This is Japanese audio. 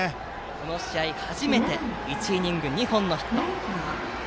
この試合初めて１イニング２本のヒット。